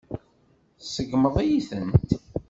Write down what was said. Tseggmeḍ-iyi-tent.